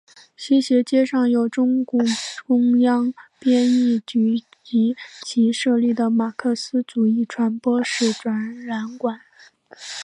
西斜街上有中共中央编译局及其设立的马克思主义传播史展览馆。